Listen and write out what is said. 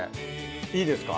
いいですか？